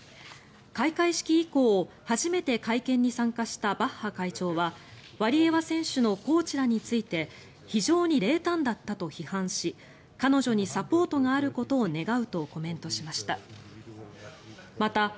開会式以降、初めて会見に参加したバッハ会長はワリエワ選手のコーチらについて非常に冷淡だったと批判し彼女にサポートがあることを願うとコメントしました。